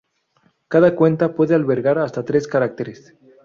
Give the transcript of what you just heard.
Cada cuenta puede albergar hasta tres caracteres.